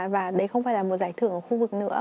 và đấy không phải là một giải thưởng ở khu vực nữa